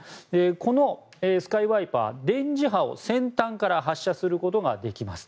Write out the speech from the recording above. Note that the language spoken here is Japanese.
このスカイワイパー電磁波を先端から発射することができます。